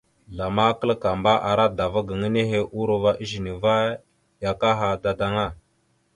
Zlama kǝlakamba, ara dava gaŋa nehe urova ezine va ya akaha dadaŋa.